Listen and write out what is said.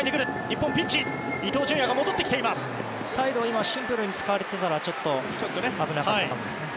サイドをシンプルに使われてたらちょっと危なかったですね